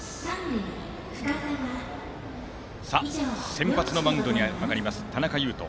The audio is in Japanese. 先発のマウンドに上がります田中優飛。